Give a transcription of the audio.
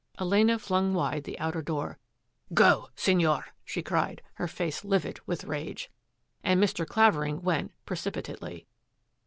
Elena flung wide the outer door. " Go, Sig nor! " she cried, her face livid with rage. And Mr. Clavering went precipitately.